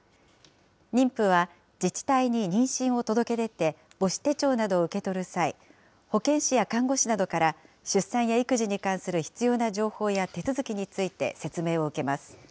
妊婦は自治体に妊娠を届け出て母子手帳などを受け取る際、保健師や看護師などから、出産や育児に関する必要な情報や手続きについて説明を受けます。